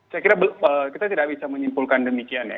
saya kira kita tidak bisa menyimpulkan demikian ya